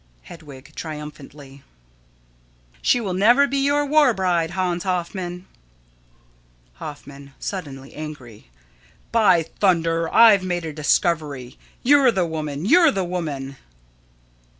_] Hedwig: [Triumphantly.] She will never be your war bride, Hans Hoffman! Hoffman: [Suddenly, angrily.] By thunder! I've made a discovery. You're the woman! You're the woman!